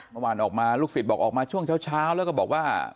เมื่อวานออกมาลูกศิษย์บอกออกมาช่วงเช้าแล้วก็บอกว่า